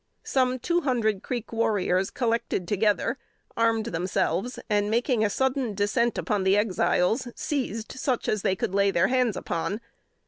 Some two hundred Creek warriors collected together, armed themselves, and, making a sudden descent upon the Exiles, seized such as they could lay their hands upon.